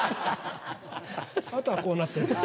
あとはこうなってんだ。